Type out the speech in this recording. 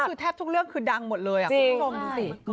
คือแทบทุกเรื่องคือดังหมดเลยคุณผู้ชมดูสิ